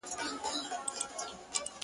په شپو شپو یې سره کړي وه مزلونه٫